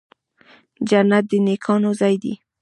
جنت د نیکانو ځای دی